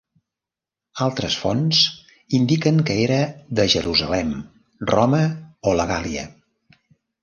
Altres fonts indiquen que era de Jerusalem, Roma o la Gàl·lia.